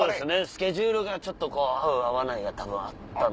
スケジュールがちょっと合う合わないがたぶんあった。